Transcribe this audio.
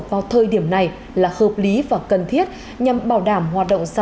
vào thời điểm này là hợp lý và cần thiết nhằm bảo đảm hoạt động sản